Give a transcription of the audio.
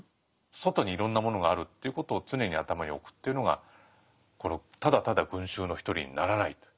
外にいろんなものがあるっていうことを常に頭に置くというのがただただ群衆の一人にならない。